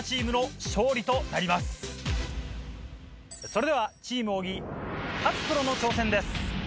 それではチーム小木・勝プロの挑戦です。